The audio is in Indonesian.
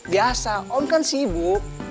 biasa om kan sibuk